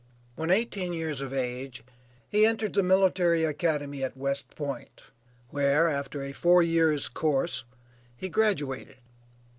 When eighteen years of age he entered the military academy at West Point, where, after a four years' course, he graduated.